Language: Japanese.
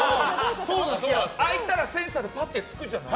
空いたらセンサーでパッてつくじゃない。